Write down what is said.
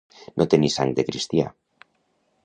No tenir sang de cristià.